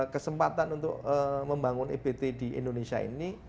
kesempatan untuk membangun ebt di indonesia ini